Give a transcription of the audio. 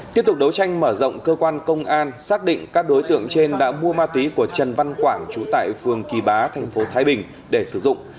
tiếp tục đấu tranh mở rộng cơ quan công an xác định các đối tượng trên đã mua ma túy của trần văn quảng trú tại phường kỳ bá thành phố thái bình để sử dụng